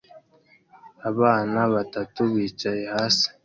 Abana batatu bicaye hasi